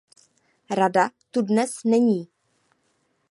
Rada tu dnes není.